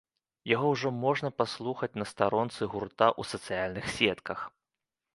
Яго ўжо можна паслухаць на старонцы гурта ў сацыяльных сетках.